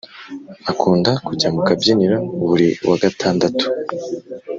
Akunda kujya mukabyiniro buri wagatandatu